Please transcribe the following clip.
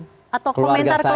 atau komentar keluarga seperti apa